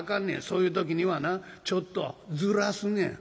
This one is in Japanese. そういう時にはなちょっとずらすねん」。